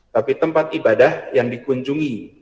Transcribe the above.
tapi tempat ibadah yang dikunjungi